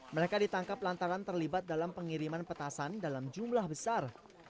mereka ditangkap lantaran terlibat dalam pengiriman petasan dalam jumlah besar